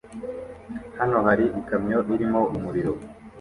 Hano hari ikamyo irimo umuriro